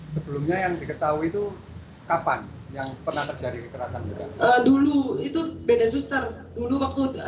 sebelumnya yang diketahui itu kapan yang pernah terjadi kekerasan dulu itu beda suster dulu waktu